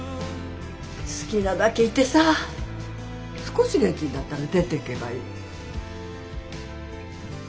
好きなだけいてさ少し元気になったら出ていけばいい。